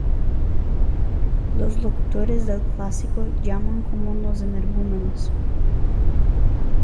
Los locutores del clásico llaman como unos energúmenos.